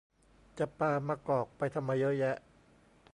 จะปามะกอกไปทำไมเยอะแยะ